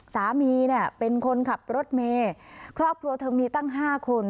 สามีเนี่ยเป็นคนขับรถเมย์ครอบครัวเธอมีตั้ง๕คน